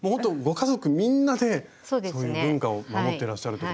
家族みんなでそういう文化を守ってらっしゃるという。